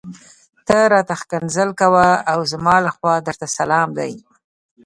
ته راته ښکنځل کوه او زما لخوا درته سلام دی.